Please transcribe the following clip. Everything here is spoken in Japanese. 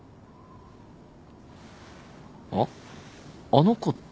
あの子って。